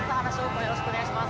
よろしくお願いします。